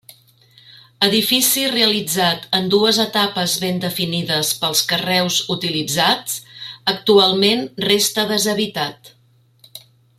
Edifici realitzat en dues etapes ben definides pels carreus utilitzats, actualment resta deshabitat.